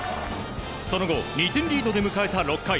その後、２点リードで迎えた６回。